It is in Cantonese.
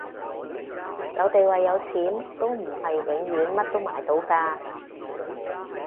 有地位有錢都唔係永遠乜都買到㗎